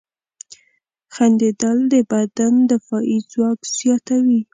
• خندېدل د بدن دفاعي ځواک زیاتوي.